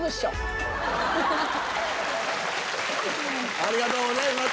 ありがとうございます！